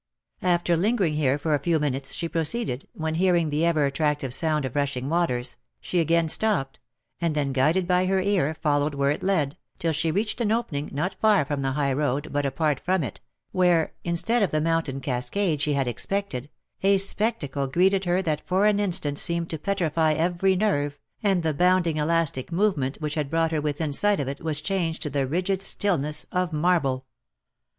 After lingering here for a few minutes she proceeded, when hearing the ever attractive sound of rushing waters, she again stopped, and then, guided by her ear, followed where it led, till she reached an opening, not far from the high road, but apart from it, where, instead of the mountain cascade she had expected, a spectacle greeted her that for an instant seemed to petrify every nerve, and the bounding elastic movement which had brought her within sight of it, was changed to the rigid stillness of marble.